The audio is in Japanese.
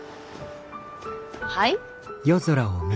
はい？